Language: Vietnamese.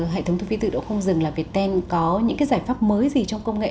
hệ thống thu phí tự động không dừng là viettel có những cái giải pháp mới gì trong công nghệ